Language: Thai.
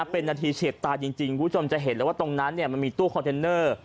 เป็นนาทีเฉียบตาจริงคุณผู้ชมจะเห็นเลยว่าตรงนั้นมันมีตู้คอนเทนเนอร์